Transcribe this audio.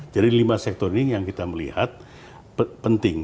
jadi lima sektor ini yang kita melihat penting